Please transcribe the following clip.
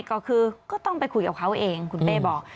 ก็คือก็ต้องไปคุยกับเขาเองคุณเป้บอก